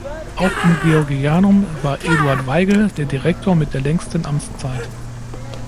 Auch im Georgianum war Eduard Weigl der Direktor mit der längsten Amtszeit.